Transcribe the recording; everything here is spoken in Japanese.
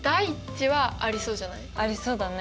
ありそうだね。